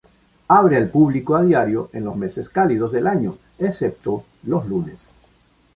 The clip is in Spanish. Abre al público a diario en los meses cálidos del año excepto los lunes.